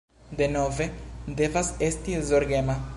Denove, devas esti zorgema